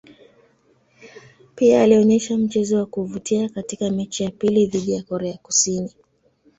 Pia alionyesha mchezo wa kuvutia katika mechi ya pili dhidi ya Korea Kusini.